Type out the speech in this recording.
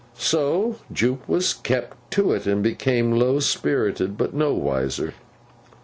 So Jupe was kept to it, and became low spirited, but no wiser.